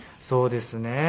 そうですね。